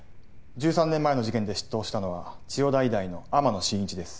１３年前の事件で執刀したのは千代田医大の天野真一です